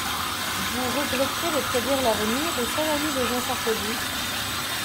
Vous regrettiez de prédire l'avenir au seul ami de Jean Sarkozy.